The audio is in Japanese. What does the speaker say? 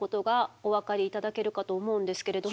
お分かり頂けるかと思うんですけれども。